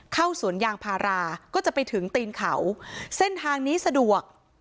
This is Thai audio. สวนยางพาราก็จะไปถึงตีนเขาเส้นทางนี้สะดวก